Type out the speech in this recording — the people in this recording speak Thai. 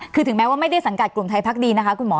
คือถึงแม้ว่าไม่ได้สังกัดกลุ่มไทยพักดีนะคะคุณหมอ